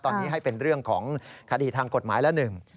ตอนนี้ให้เป็นเรื่องของคดีทางกฎหมายละหนึ่ง